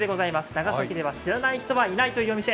長崎では知らない人はいないというお店。